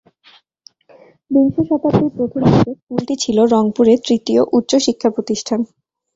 বিংশ শতাব্দীর প্রথম দিকে স্কুলটি ছিল রংপুরের তৃতীয় উচ্চ শিক্ষা প্রতিষ্ঠান।